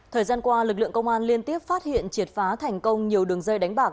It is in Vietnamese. thời gian qua lực lượng công an liên tiếp phát hiện triệt phá thành công nhiều đường dây đánh bạc